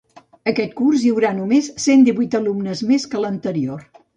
Aquest curs hi haurà només cent divuit alumnes més que l’anterior.